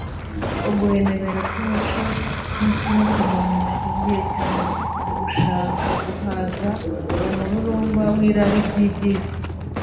uguhenebera kw'imico n'ukw'inyokomuntu bishingiye cyane ku gushaka guhaza umururumba w'irari ry'ibyisi